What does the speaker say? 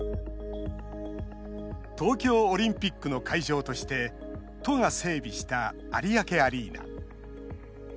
東京オリンピックの会場として都が整備した有明アリーナ。